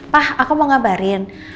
pak aku mau ngabarin